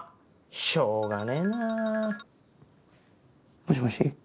しょうがねえなぁ。もしもし？